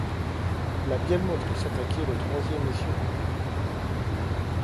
La bielle motrice attaquait le troisième essieu couplé.